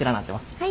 はい。